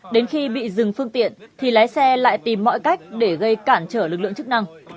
đến khi bị dừng phương tiện thì lái xe lại tìm mọi cách để gây cản trở lực lượng chức năng